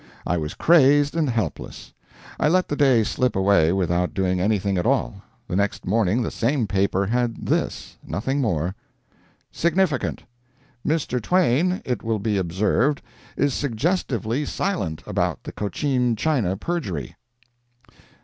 I was crazed and helpless. I let the day slip away without doing anything at all. The next morning the same paper had this nothing more: SIGNIFICANT. Mr. Twain, it will be observed, is suggestively silent about the Cochin China perjury.